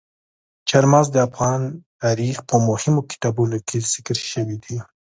چار مغز د افغان تاریخ په مهمو کتابونو کې ذکر شوي دي.